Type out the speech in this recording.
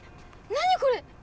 何これ？